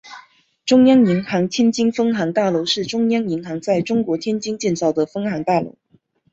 中央银行天津分行大楼是中央银行在中国天津建造的分行大楼。